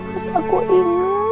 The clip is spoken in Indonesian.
terus aku inget banget